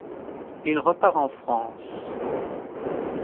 Il repart en France.